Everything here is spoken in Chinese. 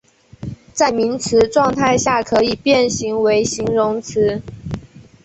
在名词状态下可以变形为形容词。